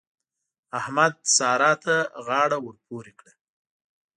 احمد؛ سارا ته غاړه ور پورې کړه.